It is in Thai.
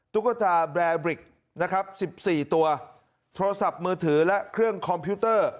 ตุ๊กตาแบรบริกนะครับ๑๔ตัวโทรศัพท์มือถือและเครื่องคอมพิวเตอร์